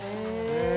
へえ